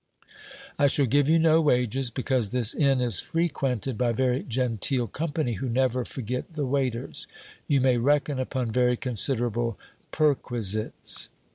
I shall give you no wages, because this inn is frequented by very genteel company, who never forget the waiters. You may reckon upon very' considerable perquisites.